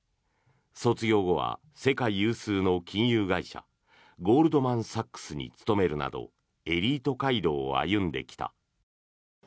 卒業後は世界有数の金融会社ゴールドマン・サックスに勤めるなどエリート街道を歩んできた。